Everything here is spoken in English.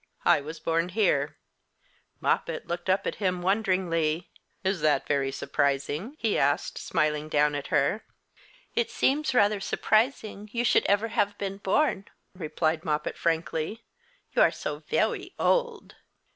I was born here." Moppet looked up at him wonderingly. "Is that very surprising?" he asked, smiling down at her. "It seems rather surprising you should ever have been born," replied Moppet, frankly: "you are so veway old."